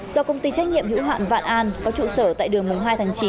do công ty trách nhiệm hữu hạn vạn an có trụ sở tại đường mùng hai tháng chín